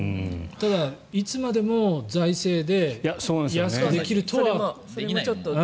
ただ、いつまでも財政で安くできるとは。